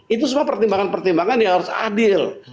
itu semua pertimbangan pertimbangan yang harus adil